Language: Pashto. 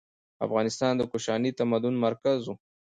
افغانستان د کوشاني تمدن مرکز و.